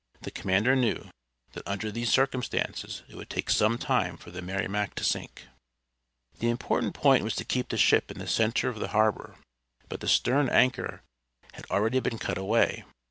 The commander knew that under these circumstances it would take some time for the Merrimac to sink. The important point was to keep the ship in the center of the harbor; but the stern anchor had already been cut away.